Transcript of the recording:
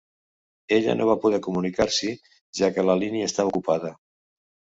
Ella no va poder comunicar-s'hi, ja que la línia estava ocupada